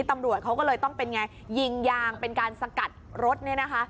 ตำรวจเขาก็เลยต้องเป็นไงยิงยางเป็นการสกัดรถเนี่ยนะคะ